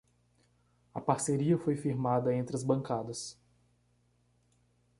A parceria foi firmada entre as bancadas